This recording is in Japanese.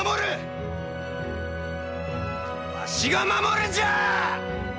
わしが守るんじゃあ！